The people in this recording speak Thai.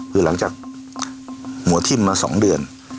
คือหลังจากหัวทิ้มมา๒เดือน